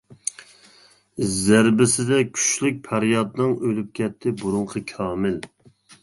زەربىسىدە كۈچلۈك پەريادنىڭ، ئۆلۈپ كەتتى بۇرۇنقى كامىل.